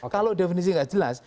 kalau definisi yang tidak jelas